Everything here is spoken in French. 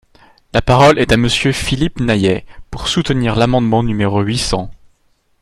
La parole est à Monsieur Philippe Naillet, pour soutenir l’amendement numéro huit cents.